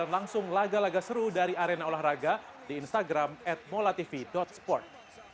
langsung laga laga seru dari arena olahraga di instagram at mola tv sport